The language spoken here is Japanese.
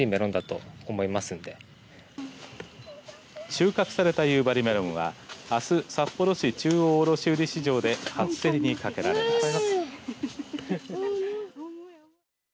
収穫された夕張メロンはあす、札幌市中央卸売市場で初競りにかけられます。